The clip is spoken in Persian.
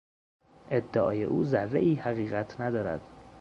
ادعای او ذرهای حقیقت ندارد.